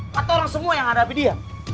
kata orang semua yang hadapi dia